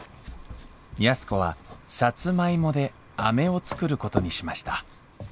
安子はさつまいもでアメを作ることにしました。